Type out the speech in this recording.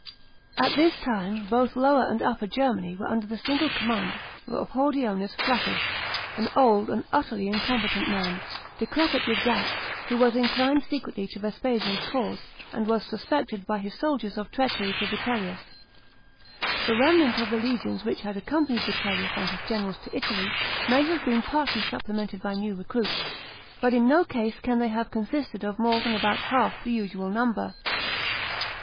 § 3. At this time both Lower and Upper Germany were under the single command of Hordeonius Flaccus, an old and utterly incompetent man, decrepit with gout, who was inclined secretly to Vespasian's cause, and was suspected by his soldiers of treachery to Vitellius. The remnant of the legions which had accompanied Vitellius and his generals to Italy may have been partly supplemented by new recruits, but in uo case can they have 354 REBELLIONS IN GERMANY AND JUDEA. CHAP. xx. consisted of more than about half the usual number.